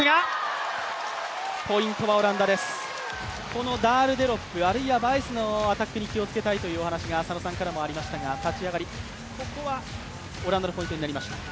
このダールデロップ、あるいはバイスのアタックに気をつけたいというお話が佐野さんからもありましたが、立ち上がり、ここはオランダのポイントになりました。